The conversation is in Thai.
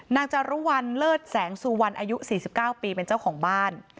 จารุวัลเลิศแสงสุวรรณอายุ๔๙ปีเป็นเจ้าของบ้าน